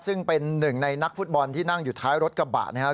ซึ่งเป็นหนึ่งในนักฟุตบอลที่นั่งอยู่ท้ายรถกระบะนะครับ